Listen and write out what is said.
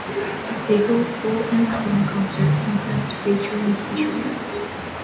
They hold fall and spring concerts, sometimes featuring special guests.